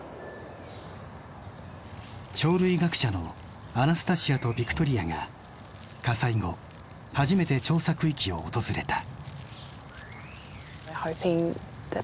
鳥類学者のアナスタシアとヴィクトリアが火災後初めて調査区域を訪れた。